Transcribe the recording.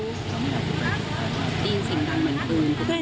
ได้ยินเสียงดังเหมือนปืน